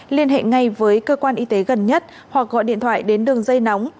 liên hệ ngay với cơ quan y tế gần nhất hoặc gọi điện thoại đến đường dây nóng